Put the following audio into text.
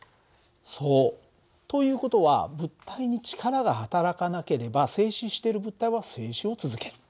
そう。という事は物体に力がはたらかなければ静止している物体は静止を続ける。